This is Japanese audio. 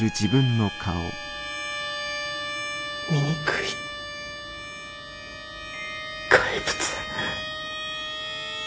醜い怪物。